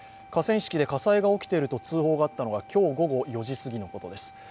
河川敷で火災が起きていると通報があったのが今日午後４時すぎのことです。